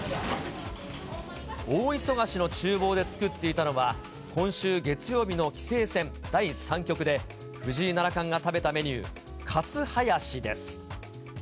大忙しのちゅう房で作っていたのは、今週月曜日の棋聖戦第３局で、藤井七冠が食べたメニュー、カツハヤシです。